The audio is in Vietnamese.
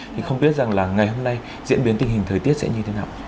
thì không biết rằng là ngày hôm nay diễn biến tình hình thời tiết sẽ như thế nào